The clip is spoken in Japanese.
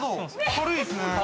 ◆軽いですね。